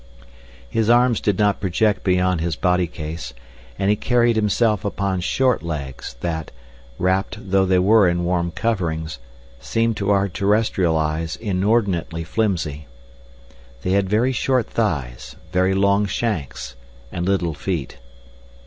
His arms did not project beyond his body case, and he carried himself upon short legs that, wrapped though they were in warm coverings, seemed to our terrestrial eyes inordinately flimsy. They had very short thighs, very long shanks, and little feet.